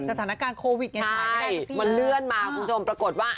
ติดตัดสถานการณ์โควิดไงใช่มั้ยแบบนี้เนี่ยมันเลื่อนมาคุณผู้ชมปรากฏว่า